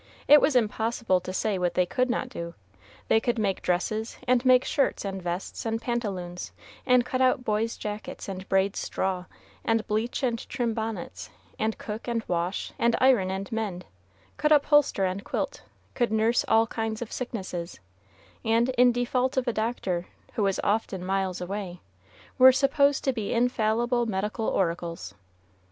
It was impossible to say what they could not do: they could make dresses, and make shirts and vests and pantaloons, and cut out boys' jackets, and braid straw, and bleach and trim bonnets, and cook and wash, and iron and mend, could upholster and quilt, could nurse all kinds of sicknesses, and in default of a doctor, who was often miles away, were supposed to be infallible medical oracles.